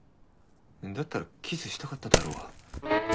だったらキスしたかっただろうが。